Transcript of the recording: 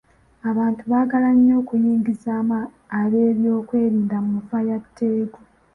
Abantu baagala nnyo okuyingizaamu ab'ebyokwerinda mu nfa ya Tegu.